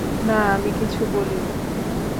না, আমি কিছু বলি নি।